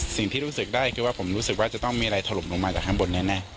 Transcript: สิ่งที่รู้สึกได้คือว่าผมรู้สึกว่าจะต้องมีอะไรถล่มลงมาจากข้างบนแน่